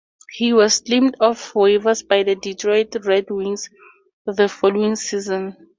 He was claimed off waivers by the Detroit Red Wings the following season.